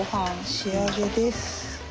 仕上げです。